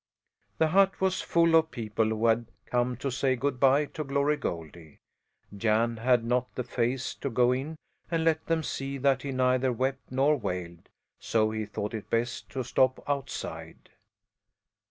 The hut was full of people who had come to say good bye to Glory Goldie. Jan had not the face to go in and let them see that he neither wept nor wailed; so he thought it best to stop outside.